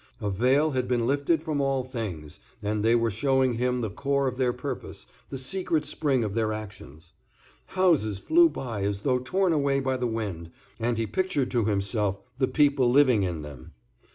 A veil had been lifted from all things, and they were showing him the core of their purpose, the secret spring of their actions. Houses flew by as though torn away by the wind, and he pictured to himself the people living in them.